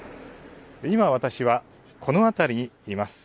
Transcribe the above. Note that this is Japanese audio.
今、私はこの辺りにいます。